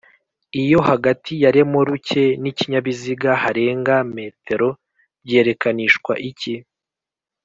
iyo hagati ya remoruke ni kinyabiziga harenga m byerekanishwa iki